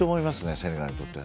セネガルにとっては。